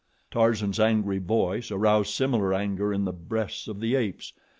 Tarzan's angry voice aroused similar anger in the breasts of the apes.